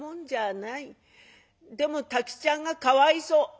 「でも太吉っちゃんがかわいそう」。